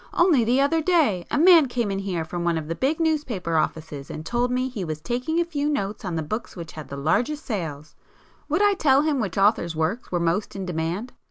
Only the other day a man came in here from one of the big newspaper offices and told me he was taking a few notes on the books which had the largest sales,—would I tell him which author's works were most in demand?